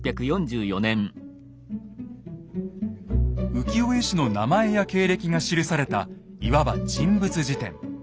浮世絵師の名前や経歴が記されたいわば人物辞典。